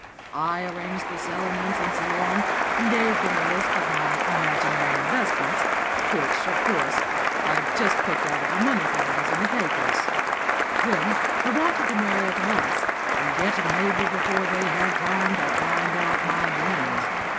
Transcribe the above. I arranged the settlements and so on, and gave them a list of my imaginary investments, which, of course, I'd just picked out of the money columns in the papers. Then I wanted to marry at once, and get Mabel before they had time to find out my game.